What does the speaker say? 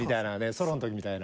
ソロの時みたいな。